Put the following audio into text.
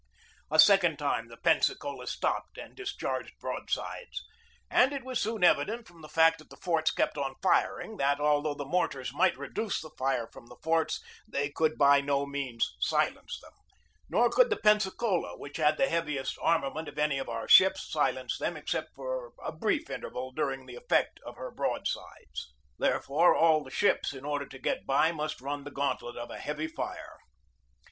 A second time the Pensacola stopped and dis charged broadsides; and it was soon evident from the fact that the forts kept on firing that, although the mortars might reduce the fire from the forts, they could by no means silence them; nor could the Pensacola, which had the heaviest armament of any of our ships, silence them except for a brief interval during the effect of her broadsides. Therefore, all 6.9 F 3 2 a M THE BATTLE OF NEW ORLEANS 63 the ships, in order to get by, must run the gauntlet of a heavy fire.